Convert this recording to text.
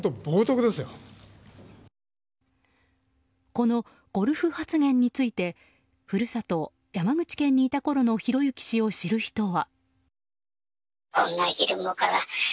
このゴルフ発言について故郷・山口県にいたころの宏行氏を知る人は。